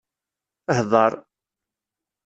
Hḍeṛ!